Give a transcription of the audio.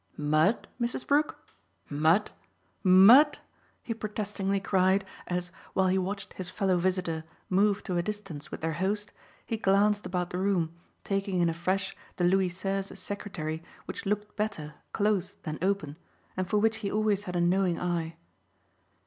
"Mud, Mrs. Brook mud, mud!" he protestingly cried as, while he watched his fellow visitor move to a distance with their host, he glanced about the room, taking in afresh the Louis Seize secretary which looked better closed than open and for which he always had a knowing eye.